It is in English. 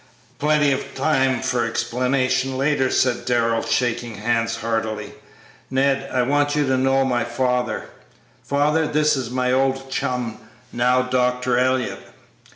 "Plenty of time for explanations later," said Darrell, shaking hands heartily; "Ned, I want you to know my father; father, this is my old chum, now Dr. Elliott."